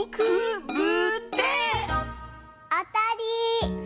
あたり！